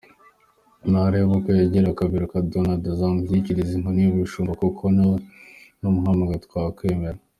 Narebe uko yegera Kaberuka Donarld azamushyikirize inkoni y’ubushumba kuko nawe numuhanga twemera.